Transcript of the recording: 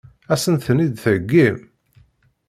Ad sent-ten-id-theggim?